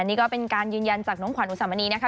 นี่ก็เป็นการยืนยันจากน้องขวัญอุสามณีนะคะ